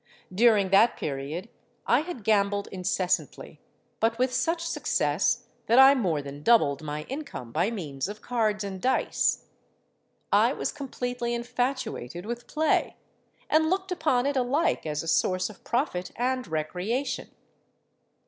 During that period I had gambled incessantly, but with such success that I more than doubled my income by means of cards and dice. I was completely infatuated with play, and looked upon it alike as a source of profit and recreation.